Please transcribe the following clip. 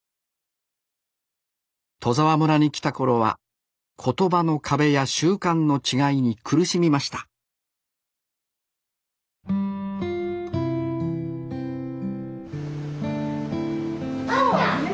戸沢村に来た頃は言葉の壁や習慣の違いに苦しみましたおおっ！